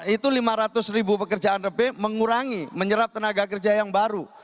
itu lima ratus ribu pekerjaan lebih mengurangi menyerap tenaga kerja yang baru